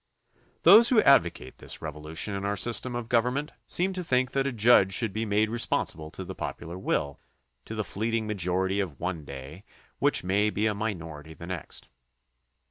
Those who advocate this revolution in our system of government seem to think that a judge should be made responsive to the popular will, to the fleeting majority of one day which may be a minority the next.